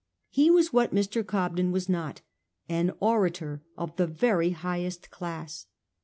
He was what Mr. Cobden was not, an orator of the very highest class.